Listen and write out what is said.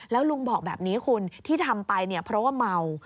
แล้วลุงบอกแบบนี้คุณที่ทำไปเนี่ยเพราะว่าเมา